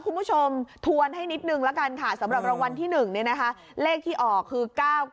คุณผู้ชมถวนให้นิดนึงข้า์สำหรับรางวัลที่๑เลขที่ออกคือ๙๙๙๙๙๗